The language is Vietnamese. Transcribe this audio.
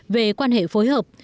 về quan hệ phối hợp